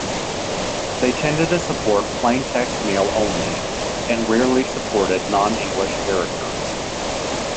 They tended to support plain text mail only, and rarely supported non-English characters.